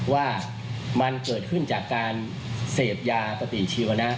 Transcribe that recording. ว่ามันเกิดขึ้นจากการเสพยาปฏิชีวนะ